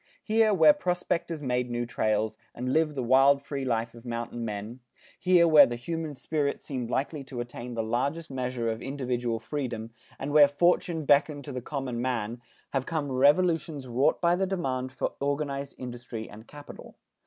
Here, where prospectors made new trails, and lived the wild free life of mountain men, here where the human spirit seemed likely to attain the largest measure of individual freedom, and where fortune beckoned to the common man, have come revolutions wrought by the demand for organized industry and capital.